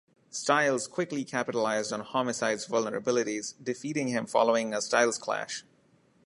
Styles quickly capitalized on Homicide's vulnerabilities, defeating him following a Styles Clash.